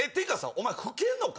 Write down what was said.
お前吹けんのか？